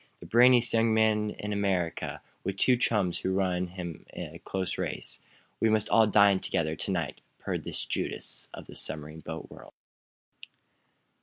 "The brainiest young man in America with two chums who run him a close race. We must all dine together to night," purred this Judas of the submarine boat world.